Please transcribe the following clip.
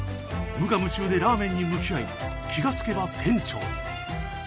無我夢中でラーメンに向き合い気が付けば店長に。